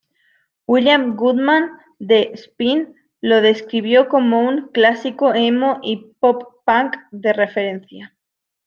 William Goodman, de "Spin", lo describió como un "clásico emo y pop-punk de referencia".